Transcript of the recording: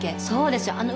そうですよ。